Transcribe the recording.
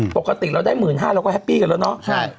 ปกติเราได้๑๕๐๐เราก็แฮปปี้กันแล้วเนาะ